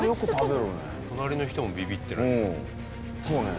隣の人もビビってるね。